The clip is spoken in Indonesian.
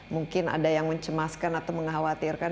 mungkin ada yang mencemaskan atau mengkhawatirkan